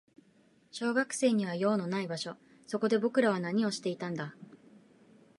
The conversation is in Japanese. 小学生には用のない場所。そこで僕らは何をしていたんだ。